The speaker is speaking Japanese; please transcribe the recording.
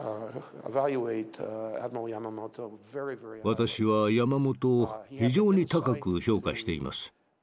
私は山本を非常に高く評価しています。